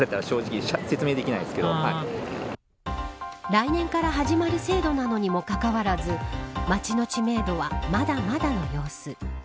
来年から始まる制度なのにもかかわらず街の知名度は、まだまだの様子。